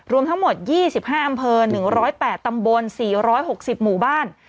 รวมทั้งหมด๒๕อำเภอ๑๐๘ตำบล๔๖๐หมู่บ้าน